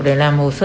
để làm hồ sơ